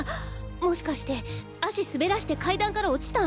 もしかして足すべらして階段から落ちた？